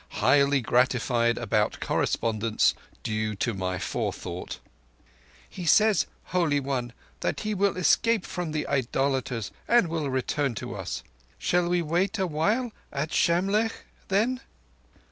Highly gratified about correspondence due to my forethought._ "He says, Holy One, that he will escape from the idolaters, and will return to us. Shall we wait awhile at Shamlegh, then?"